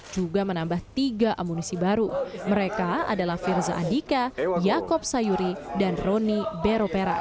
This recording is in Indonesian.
juga menambah tiga amunisi baru mereka adalah firza andika yaakob sayuri dan roni beropera